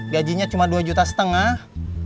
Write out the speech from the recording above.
gajinya cuma dua juta setengah